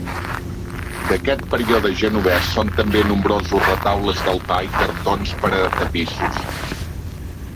D'aquest període genovès són també nombrosos retaules d'altar i cartons per a tapissos.